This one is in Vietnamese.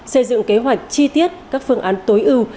xây dựng kế hoạch chi tiết các phương án tối ưu